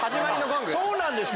そうなんですか？